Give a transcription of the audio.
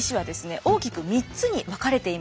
大きく３つに分かれていました。